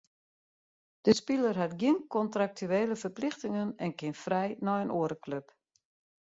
De spiler hat gjin kontraktuele ferplichtingen en kin frij nei in oare klup.